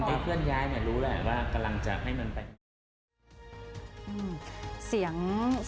ไอ้เคลื่อนย้ายมันรู้แหละว่ากำลังจะให้มันไป